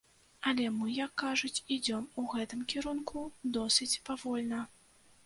Але мы, як кажуць, ідзём у гэтым кірунку досыць павольна.